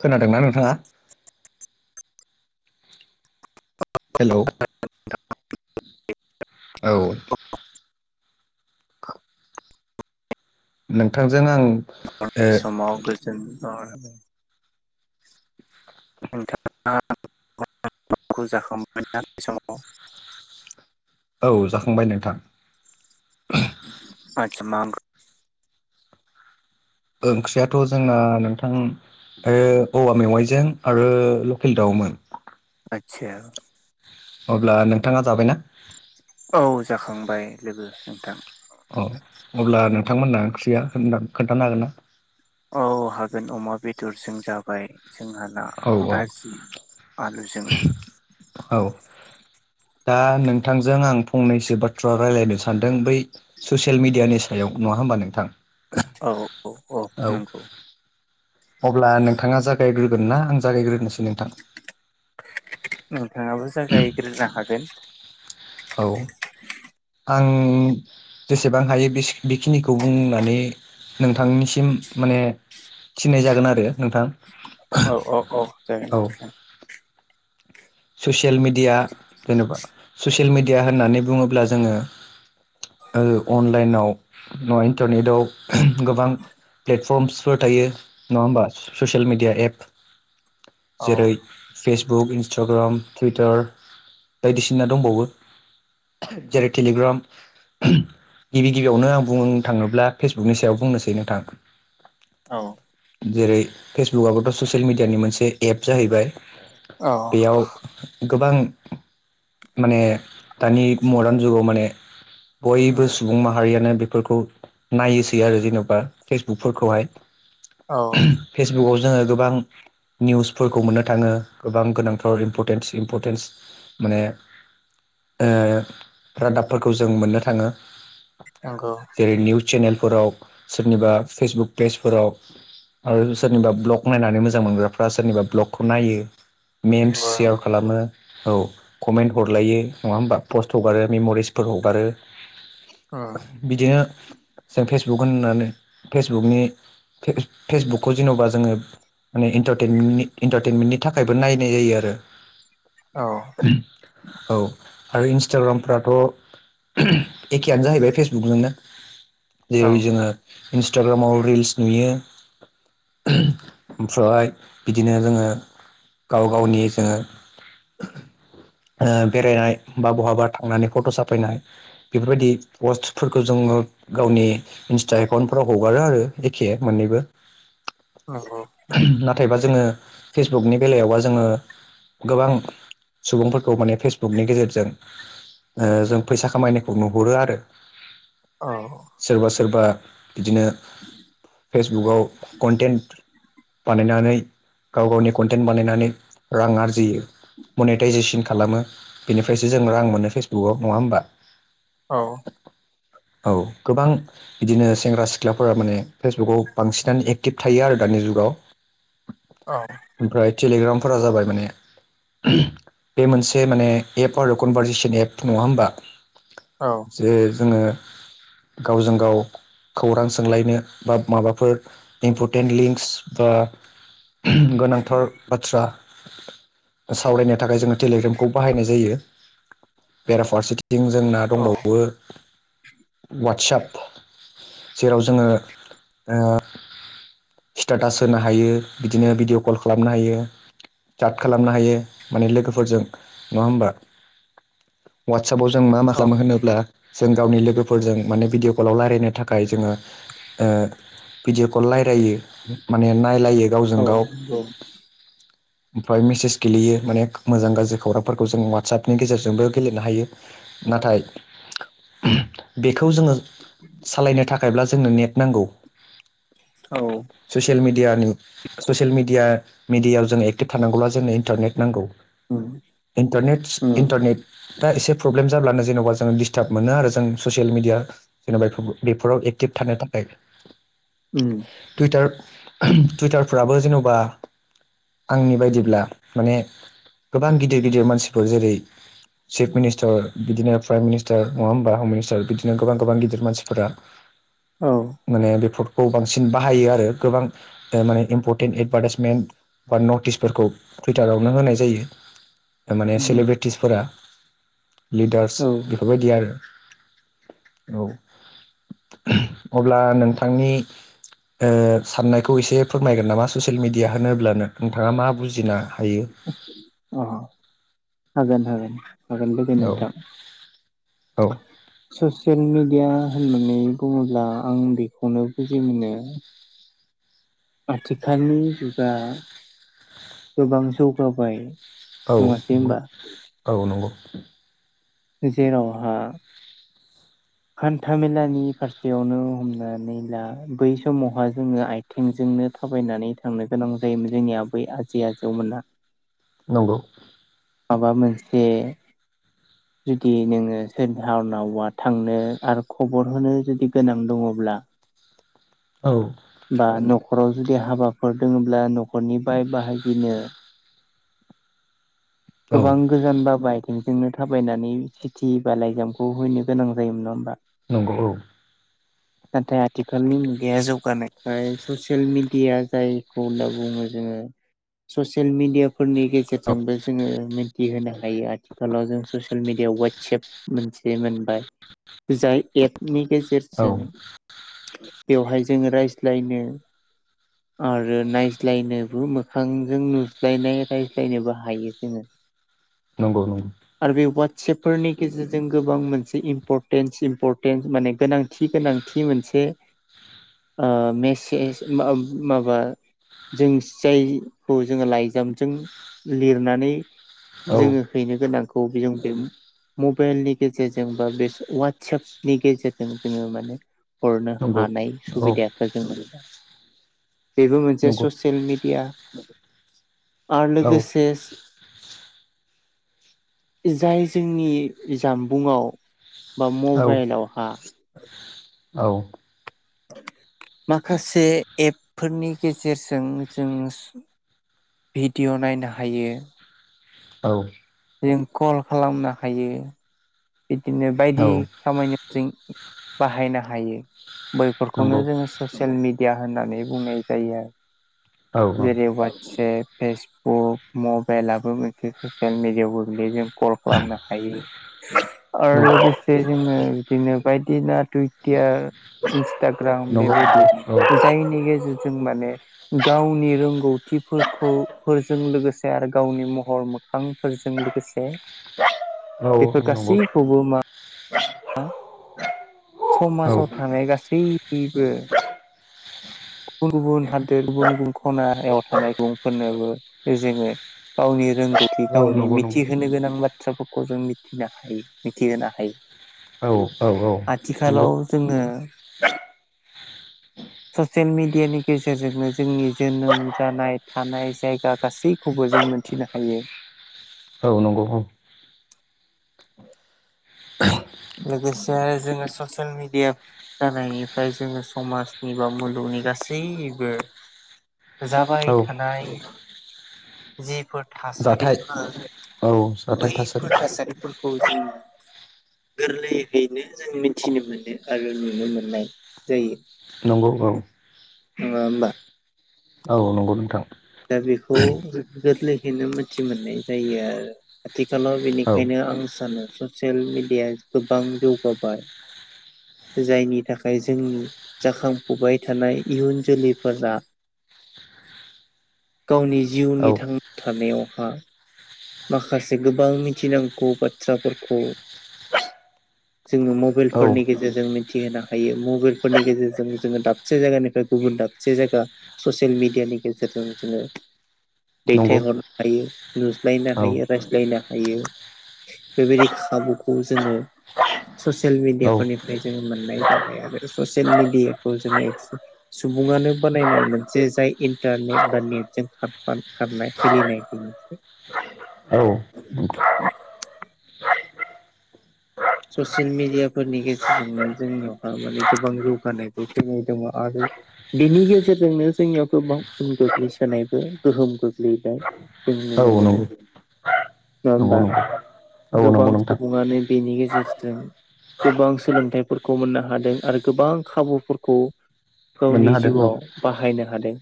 खोनादों ना नोंथाङा? हेलौ। औ। नोंथांजों आं [unintelligible] समाव गोजोन अ [unintelligible] ओंखामखौ जाखांबाय ना बे समाव औ जाखांबाय नोंथां। [unintelligible] ओंख्रियाथ' जोंना नोंथां ओ औवा मेवाइजों आरो लकेल दाउ मोन। आतसा। अब्ला नोंथाङा जाबाय ना? औ जाखांबाय लोगो नोंथां। अ अब्ला नोंथांमोनहा ओंख्रिया [unintelligible] खोन्थानो हागोन ना? औ हागोन अमा बेदरजों जाबाय। जोंहा ना औ औ भाजि आलुजों औ दा नोंथांजों आं फंनैसो बाथ्रा रायलायनो सानदों बै ससियेल मिडियानि सायाव नङा हो होमबा नोंथां। औ औ औ नंगौ। अब्ला नोंथाङा जागायग्रोगोन ना आं जागायग्रोनोसै नोंथां। नोङाबो जागायग्रोनो हागोन। औ। आं जेसेबां हायो बेस बेखिनिखौ बुंनानै नोंथांनिसिम माने थिननाय जागोन आरो नोंथां। औ औ औ जागोन औ जागोन। ससियेल मिडिया जेनबा ससियेल मिडिया होननानै बुङोब्ला जोङो ओ अनलाइनाव इन्टारनेटाव गोबां प्लेटफर्मसफोर थायो नङा होमबा ससियेल मिडिया एप। औ जेरै फेसबुक इनस स्टग्राम टुइटार बायदिसिना दंबावो। जेरै टेलिग्राम [unintelligible] गिबि गिबियावनो आं बुंनो थाङोब्ला फेसबुकनि सायाव बुंनोसै नोंथां। औ। जेरै फेसबुकआबोथ' ससियेल मिडियानि मोनसे एप जाहैबाय। बेयाव गोबां माने दानि मडार्न जुगाव माने उम औ बयबो सुबुं माहारियानो बेफोरखौ नायोसै आरो जेन'बा फेसबुकफोरखौहाय। फेसबुकाव जोङो गोबां निउसफोरखौ मोननो थाङो गोबां गोनांथार इम्परटेन्स इम्परटेन्स माने ओ रादाबफोरखौ जों मोननो थाङो। नंगौ जेरै निउस चेनेलफोराव सोरनिबा फेसबुक पेजफोराव आरो सोरनिबा ब्लग नायनानै मोजां मोनग्राफ्रा सोरनिबा ब्लगखौ नायो। मेमस नंगौ सेयार खालामो औ कमेन्ट हरलायो नङा होमबा पस्ट हगारो मेम'रिसफोर हगारो। उम बिदिनो जों फेसबुक होननानै फेसबुकनि फे-फेसबुकखौ जेन'बा जोङो माने इन्टारटेनमेन्टनि इन्टारटेनमेन्टनि थाखायबो नाय नाय जायो आरो औ औ आरो इन्स्टाग्रामफ्राथ' एखेयानो जाहैबाय फेसबुकजोंनो औ जेरै जोङो इन्सटाग्रामाव रिल्स नुयो ओमफ्राय बिदिनो जोङो गाव गावनि जोङो ओ बेरायनाय बा बहाबा थांनानै फट' साफायनाय बेफोरबायदि पस्टफोरखौ जों ङो गावनि इन्स्टा एकाउन्टफोराव हगारो आरो एखे मोन्नैबो नंगौ नाथायबा जोङो फेसबुकनि बेलायावबा जोङो गोबां सुबुंफोरखौ माने फेसबुकनि गेजेरजों ओ जों फैसा खामायनायखौ नुहुरो आरो औ सोरबा सोरबा बिदिनो फेसबुकाव कन्टेन्ट बानायनानै गाव गावनि कन्टेन्ट बानायनानै रां आरजियो मनिटाइजेसन खालामो बेनिफ्रायसो जों रां मोनो फेसबुकआव नङा होमबा औ [inaudible] औ गोबां बिदिनो सेंग्रा सिख्लाफोरा माने फेसबुकाव बांसिनानो एक्टिभ थायो आरो दानि जुगाव [inaudible] औ ओमफ्राय टेलिग्रामफोरा जाबाय माने बे मोनसे माने एप आरो कनभारजेसन एप नङा होमबा औ जे जोङो गावजों गाव खौरां सोंलायनो बा माबाफोर इम्परटेन्ट लिंक्स बा गोनां थार बाथ्रा सावरायनो थाखाय जोङो टेलिग्रामखौ बाहायनाय जायो बेराफारसेथिथिं जोंना औ दंबावो वाटसाप जेराव जोङो ओ स्टेटास होनो हायो बिदिनो भिडिअ कल खालामनो हायो सांत खालामनो हायो माने लोगोफोरजों नङा होमबा वाटसापाव जों मा मा औ खालामो होनोब्ला जों गावनि लोगोफोरजों माने भिडिअ' कलाव रायजलायनो थाखाय जोङो ओ भिडिअ'खौ रायलायो माने नायलायो गावजों औ गाव नंगौ ओमफ्राय मेसेस गेलेयो माने मोजां गाज्रि खौरांफोरखौ जों वाटसापनि गेजेरजोंबो गेलेनो हायो नाथाय बेखौ जोङो सालायनो थाखायब्ला जोंनो नेट नांगौ औ ससियेल मिडियानि ससियेल मिडिया मिडियायाव जों एक्टिभ थानांगौब्ला जोंनो इन्टारनेट नांगौ उम इन्टारनेट उम इन्टारनेटा एसे प्रब्लेम जाब्लानो जेनेबा जोङो दिसटार्ब मोनो आरो जों ससियेल मिडिया जेन'बा बेफोराव एक्टिभ थानो थाखाय उम टुइटार टुइटारफोराबो जेन'बा आंनि बायदिब्ला माने गोबां गिदिर गिदिर मानसिफोर जेरै चिफ मिनिस्टार बिदिनो प्राइम मिनिस्टार नङा होमबा हम मिनिस्टार बिदिनो गोबां गोबां गिदिर मानसिफोरा औ माने बेफोरखौ बांसिन बाहायो आरो गोबां माने इम्पर्टेन्ट एदभार्टाइसमेन्ट बा नटिसफोरखौ टुइटारावनो होनाय जायो ओ माने उम सेलेब्रेटिसफोरा लिडार्स औ अ बेफोरबायदिया आरो औ अब्ला नोंथांनि ओ साननायखौ एसे फोरमायगोन नामा ससियेल मिडिया होनोब्लानो नोंथाङा मा बुजिनो हायो हागोन हागोन हागोन बायदि औ नोंथां औ ससियेल मिडिया होननानै बुङोब्ला आं बेखौनो बुजि मोनो आथिखालनि जुगा गोबां जौगाबाय। औ नङासै नंगौ होमबा औ नंगौ। जेरावहा हान्थामेलानि फारसेयावनो हमनानै ला बै समावहा जोङो आइथेंजों नो थाबायनानै थांनो गोनां जायोमोन जोंनिया आबै आजै आजौमोना। नंगौ। माबा मोनसे जुदि नोङो सोरहानावबा थांनो आरो खबर होनो जुदि गोनां दङब्ला औ बा न'खराव जुदि हाबाफोर दङोब्ला न' खरनिफ्राय बाहागिनो औ गोबां गोजानबाबो आइ थेंजोंनो थाबायनानै सिटि बा लाइजामखौ हैनो गोनां जायोमोन नङा होमबा? नंगौ औ। नाथाय आथिखालनि मुगाया जौगानायखाय ससियेल मिडिया जायखौ होनना बुङो जों ससेल मिडिया फोरनि औ गेजेरजोंबो जोङो मिथिहोनो हायो आथिखालाव जों ससे ससियेल मिडिया वाटसेएप मोनसे मोनबाय जाय एपनि औ औ गेजेरजों बेवहाय जोङो रायज्लायनो आरो नायज्लायनोबो मोखांजों नुज्लायनाय रायज्लायनोबो हायो जोङो। नंगौ नंगौ‌। सेपफोरनि गेजेरजों गोबां मोनसे इम्परटेन्स सिम्परटेन्स माने गोनांथि गोनां थि मोनसे ओ मेसेज मा-माबा जों जायखौ जोङो लाइजामजों लिरनानै औ जोङो हैनो गोनांखौ बेजों बे मबाइलनि गेजेरजों बा बे स वाटसापनि गेजेरजों जोङो माने हरनो नंगौ हानाय औ सुबिदाखो जों मोनबाय। बेबो मोनसे नंगौ ससियेल मिडिया। औ आरलोगोसे स जाय जोंनि जामबुंआव बा औ मबाइलावहा औ। माखासे एपफोरनि गेजेरजों जोंङो भिडिय' नायनो हायो। औ। जों कल खालामनो हायो। बिदिनो बायदि खामानियाव जों बाहायनो हायो। बैफोरखौनो नंगौ जोङो ससियेल मिडिया होननानै बुंनाय जायो आरो। औ नंगौ जेरै वाटसेप। फेसबुक मबेलाबो मोनसे ससियेल मिडियाव गोग्लैयो जों कल खालामनो हायो आरो लोगोसे जोङो बिदिनो बायदि सिना टुइटियार इ नंगौ न्सटाग्राम बेबायदि औ जायनि गेजेरजों माने गावनि रोंगौथिफोरखौ फोरजों लोगोसे आरो गावनि महर मोखांफोरजों [unintelligible] [unintelligible] बेफोर नंगौ गासैखौबो मा [unintelligible] औ समाजाव औ थानाय गासैबो गुबुन-गुबुन हादोर गुबुन-गुबुन खनायाव थानाय सुबुंफोरनोबो जोंङो गावनि रोंगौ। गावनि नंगौ नंगौ औ मिथिहोनो गोनां बाथ्राफोरखौ जों मिथिनो हायो मिथिहोनो हायो। औ नंगौ आथिखालाव जोंङो, [unintelligible] ससियेल मिडियानि गेजेरजोंनो जोंनि जोनोम जानाय थानाय जायगा गासैखौबो जों मोनथिनो हायो। औ नंगौ औ। लोगोसे आरो जोंङो ससियेल मिडिया जानायनिफ्राय जोंङो समाजनि बा मुलुगनि गासैबो जाबाय औ थानाय जिफोर जाथाय थासारिफोर औ जाथाय थासारि बैफोर थासारिफोरखौ जोंङो गोरलैयैनो जों मिथिनो मोनो आरो नुनो मोननाय जायो। नंगौ औ नंङा होनबा? औ नंगौ नोंथां दा बेखौ गोरलैहैनो मिथि मोननाय जायो आरो आथिखालाव औ बेनिखायनो आं सानो ससियेल मिडिया गोबां जौगाबाय! जायनि थाखाय जोंनि जाखांफुबाय थानाय इयुन जोलैफोरा, [unintelligible] गावनि औ जिउनि थांना थानायावहा माखासे गोबां मिथिनांगौ बाथ्राफोरखौ [inaudible] जोंङो औ मबाइलफोरनि गेजेरजों मिथिहोनो हायो मबाइलफोरनि गेजेरजों जोंङो दाबसे जायगानिफ्राय गुबुन दाबसे जायगा ससियेल मिडियानि गेजेरजों जोंङो नंगौ दैथायहरनो हायो। लायनो औ हायो रायज्लायनो हायो बेबायदि खाबुखौ जोंङो ससियेल औ मिडियाफोरनिफ्राय जोंङो मोननाय जाबाय आरो ससियेल मिडियाखौ जोंङो [unintelligible] सुबुंङानो बानायनाय मोनसे जाय इन्टारनेट बा नेटजों खारनाय फलिनाय [inaudible] औ नंगौ ससियेल मिडियाफोरनि गेजेरजोंनो जोंनियावहा माने गोबां जौगानायबो फैनाय दंङ आरो, बेनि गेजेरजोंनो जोंनियाव गोबां उन गोग्लैसोनायबो गोहोम गोग्लैदों। जों नुनो नंगौ मोनो। नंगौ नंङा होनबा औ गोबां नंगौ नोंथां सुबुंङानो बेनि गेजेराव गेजेरजों गोबां सोलोंथाइफोरखौ मोननो हादों आरो गोबां खाबुफोरखौ मोननो गावनि हादों औ जिउआव बाहायनो हादों।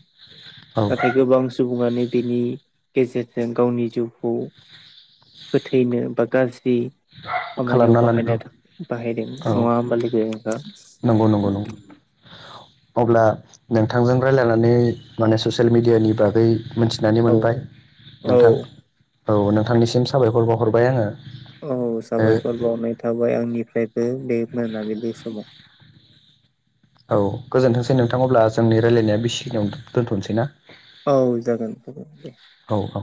औ नाथाय गोबां सुबुंङानो बिनि गेजेरजों गावनि जिउखौ फोथैनो बा गाज्रि खामानियाव खालामना लानो औ बाहायनो थाखाइ औ बाहायदों नंङा नंगौ होनबा? नंगौ नंगौ [unintelligible] [inaudible] अब्ला नोंथांजों राय्लायनानै माने ससियेल मिडियानि बागै मोनथिनानै औ मोनबाय औ नोंथां औ नोंथांनिसिम साबायखर बावहरबाय आंङो! औ साबायखर बावनाय थाबाय। आय आंनिफ्रायबो बे मोनाबिलि समाव। औ गोजोनथोंसै नोंथां अब्ला जोंनि रायलायनाया बेसिखिनियावनो दोन्थनोसै ना? औ जागोन दे। औ-औ।